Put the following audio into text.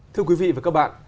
thưa quý vị và các bạn